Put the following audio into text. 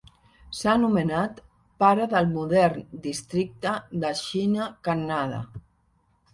S'ha anomenat "Pare del modern districte Dakshina Kannada".